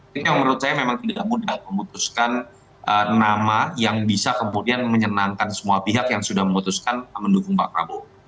ini yang menurut saya memang tidak mudah memutuskan nama yang bisa kemudian menyenangkan semua pihak yang sudah memutuskan mendukung pak prabowo